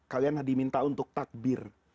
kalian diminta untuk takbir